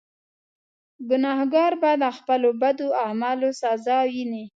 ګناهکار به د خپلو بدو اعمالو سزا ویني.